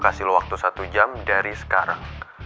gue kasih lo waktu satu jam dari sekarang